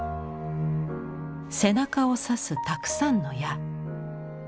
背中を刺すたくさんの矢。